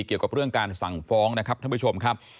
เกี่ยวกับเรื่องการสั่งฟ้องนะครับท่านผู้ชมครับ